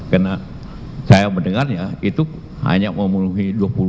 karena saya mendengarnya itu hanya memenuhi dua puluh lima